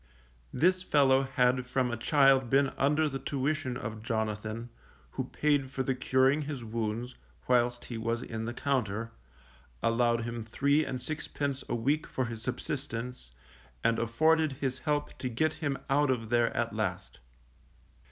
This fellow had from a child been under the tuition of Jonathan, who paid for the curing his wounds, whilst he was in the Compter, allowed him three and sixpence a week for his subsistence, and afforded his help to get him out of there at last.